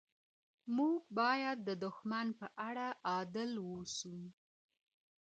موږ باید د دښمن په اړه عادل اوسو.